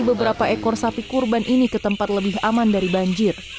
beberapa ekor sapi kurban ini ke tempat lebih aman dari banjir